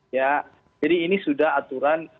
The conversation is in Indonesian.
jadi ini sudah aturan